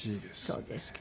そうですか。